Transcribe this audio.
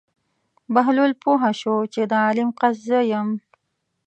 بهلول پوه شو چې د عالم قصد زه یم.